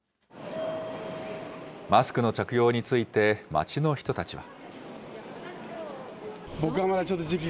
マスクの着用について街の人たちは。